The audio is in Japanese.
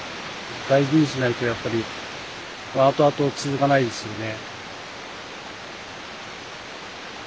大事にしないとやっぱり後々続かないですよね。